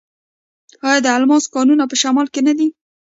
آیا د الماس کانونه په شمال کې نه دي؟